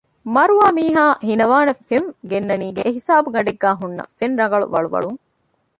މަރުވާ މީހާ ހިނަވާނެ ފެން ގެންނަނީ އެހިސާބުގަނޑެއްގައި ހުންނަ ފެން ރަނގަޅު ވަޅުވަޅުން